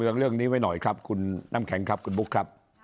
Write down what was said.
เรื่องนี้ไว้หน่อยครับคุณน้ำแข็งครับคุณบุ๊คครับ